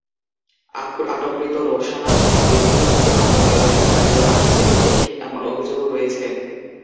আটককৃত রোকসানা দীর্ঘদিন থেকে মাদক ব্যবসা চালিয়ে আসছে বলে এমন অভিযোগও রয়েছে।